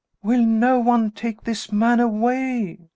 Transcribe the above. "Will no one take this man away?"